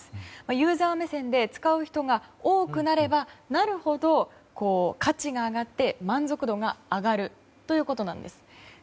ユーザー目線で使う人が多くなればなるほど価値が上がって満足度が上がるということなんです。